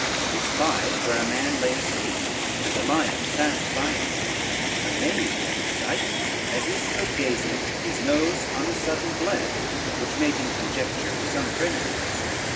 He spied where a man lay asleep, and a lion fast by him: amazed at this sight, as he stood gazing, his nose on the sudden bled, which made him conjecture it was some friend of his.